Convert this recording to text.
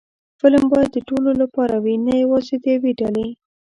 فلم باید د ټولو لپاره وي، نه یوازې د یوې ډلې